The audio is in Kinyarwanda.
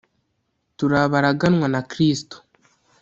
turi abaraganwa na kristo